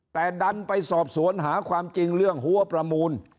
แต่ดันไปสอบสวนหาความจริงเรื่องหัวประมูล